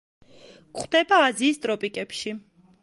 გვხვდება აზიის ტროპიკებში.